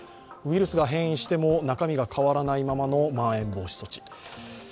ウイルスが変異しても中身が変わらないままのまん延防止措置。